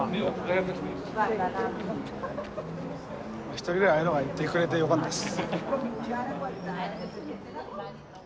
１人ぐらいああいうのがいてくれてよかったです。